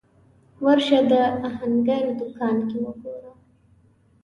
ورشه د هنګر دوکان کې وګوره